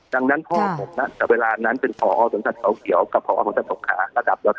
ดังนั้นพ่อผมนั้นแต่เวลานั้นเป็นภอสนัดเขาเขียวก็ผ่าสวนสัตว์ขาวระดับก็เท่ากัน